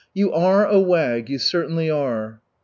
"You are a wag, you certainly are."